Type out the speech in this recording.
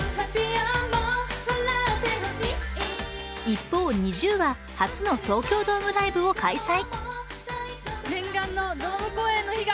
一方、ＮｉｚｉＵは初の東京ドームライブを開催。